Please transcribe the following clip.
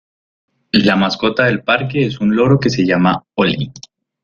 La mascota del parque es un loro que se llama Holy.